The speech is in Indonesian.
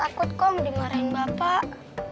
bagas akut kong dimarahin bapak